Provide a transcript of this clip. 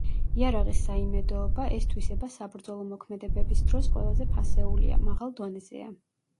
იარაღის საიმედოობა, ეს თვისება საბრძოლო მოქმედებების დროს ყველაზე ფასეულია, მაღალ დონეზეა.